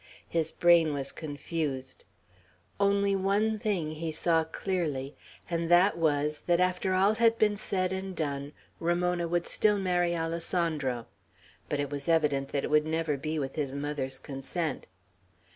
His brain was confused. Only one thing he saw clearly, and that was, that after all had been said and done, Ramona would still marry Alessandro. But it was evident that it would never be with his mother's consent.